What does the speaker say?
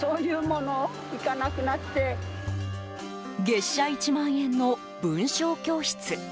月謝１万円の文章教室。